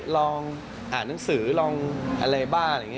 ลองอ่านหนังสือลองอะไรบ้าง